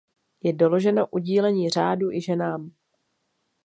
Je doloženo udílení řádu i ženám.